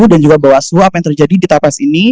dan juga bahwa suap yang terjadi di tps ini